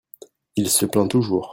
il se plaint toujours.